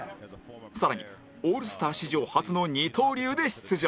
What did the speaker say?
更にオールスター史上初の二刀流で出場